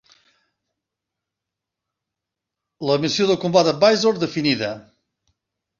La missió de combat Advisor definida.